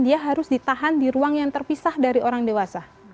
dia harus ditahan di ruang yang terpisah dari orang dewasa